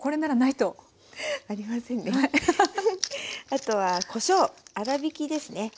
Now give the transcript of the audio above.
あとはこしょう粗びきですね。